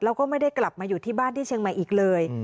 แล้วก็ไม่ได้กลับมาอยู่ที่บ้านที่เชียงใหม่อีกเลย